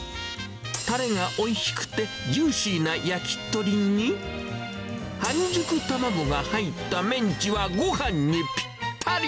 タレがおいしくて、ジューシーな焼き鳥に、半熟卵が入ったメンチはごはんにぴったり。